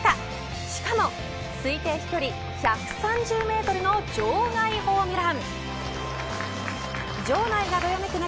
しかも推定飛距離１３０メートルの場外ホームラン。